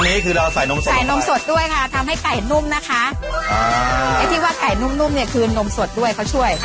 อันนี้ฮะใส่นมสดด้วยค่ะทำให้ไก่นุ่มนะคะ